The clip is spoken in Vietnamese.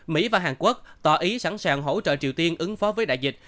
mỹ và hàn quốc tỏ ý sẵn sàng hỗ trợ triều tiên ứng phó với đại dịch